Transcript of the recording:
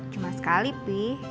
cuma sekali pi